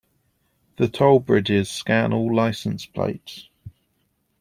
The toll bridges scan all license plates.